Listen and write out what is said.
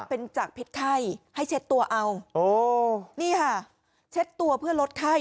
เป็นจากพิษไข้ให้เช็ดตัวเอาโอ้นี่ค่ะเช็ดตัวเพื่อลดไข้